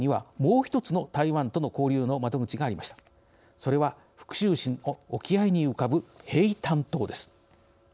それは福州市の沖合に浮かぶ平潭島です。